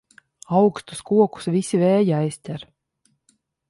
Augstus kokus visi vēji aizķer.